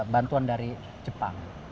bantuan dari jepang